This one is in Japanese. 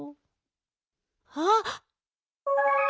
あっ。